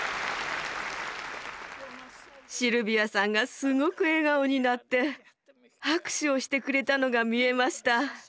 シルビアさんがすごく笑顔になって拍手をしてくれたのが見えました。